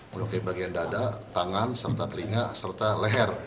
melukai bagian dada tangan serta telinga serta leher